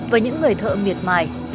với những người thợ miệt mài